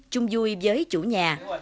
chung vui với chủ nhà